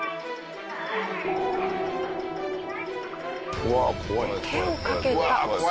うわあ怖い。